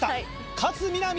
勝みなみ